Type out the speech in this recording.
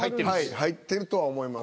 入ってるとは思います。